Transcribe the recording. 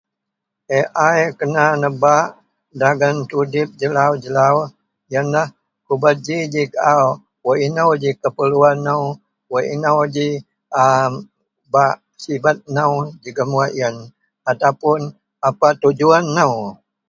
Ai kena nebak dagen tudip jelau - jelau yen lah kubajiji kaau, wak inou ji keperluan nou, wak inou ji [a] bak sibet nou jegem wak yen ataupuun apa tujuan nou.